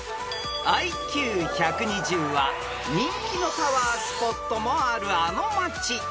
［ＩＱ１２０は人気のパワースポットもあるあの町］